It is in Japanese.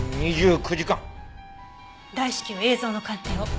大至急映像の鑑定を。